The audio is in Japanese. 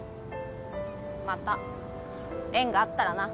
また縁があったらな。